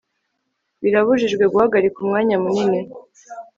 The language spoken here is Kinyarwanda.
birabujijwe guhagarika umwanya munini